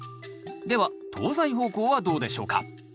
では東西方向はどうでしょうか？